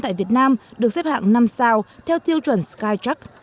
tại việt nam được xếp hạng năm sao theo tiêu chuẩn skytruck